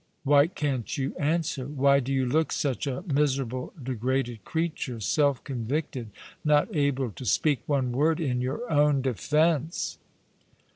why can't you answer? Why do you look such a miserable, degraded creature — self convicted — not able to speak one word in your own defence